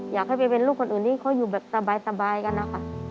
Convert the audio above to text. อยากให้ไปเป็นลูกคนอื่นที่เขาอยู่แบบสบายกันนะคะ